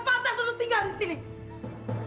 iotan ini terima tangan dari ibu